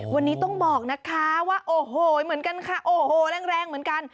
วันนี้ต้องบอกนะคะว่าโอ้โหเหมือนกันค่ะโอ้โหแรงแรงเหมือนกัน